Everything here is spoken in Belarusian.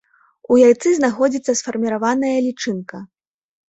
У яйцы знаходзіцца сфарміраваная лічынка.